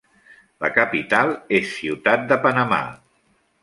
La capital és Ciutat de Panamà.